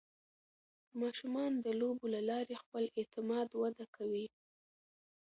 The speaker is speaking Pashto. ماشومان د لوبو له لارې خپل اعتماد وده کوي.